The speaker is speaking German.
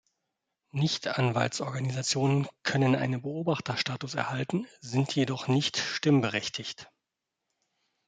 Nicht-Anwaltsorganisationen können einen Beobachterstatus erhalten, sind jedoch nicht stimmberechtigt.